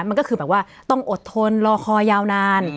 มันก็คือแบบว่าต้องอดทนรอคอยยาวนาน